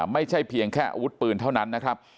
ไม่ใช่เพียงแค่อาวุธปืนเท่านั้นนะครับ